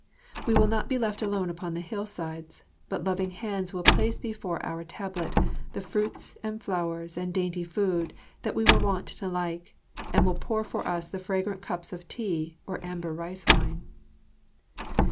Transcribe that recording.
We will not be left alone upon the hillsides, but loving hands will place before our tablet the fruits and flowers and dainty food that we were wont to like, and will pour for us the fragrant cups of tea or amber rice wine."